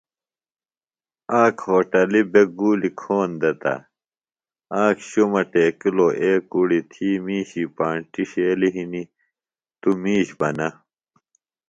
آک ہوٹلیۡ بےۡ گُولیۡ کھون دےۡ تہ آک شُمہ ٹیکِلوۡ اے کُڑیۡ تھی مِیشی پانٹیۡ ݜیلیۡ ہنیۡ توۡ میش بہ نہ